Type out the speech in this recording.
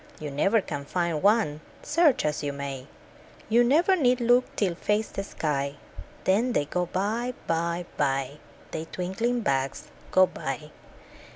You never can find one, search as you may; You never need look, till fades the sky Then they go by. By, By The twinkling bugs go by.